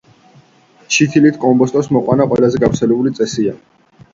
ჩითილით კომბოსტოს მოყვანა ყველაზე გავრცელებული წესია.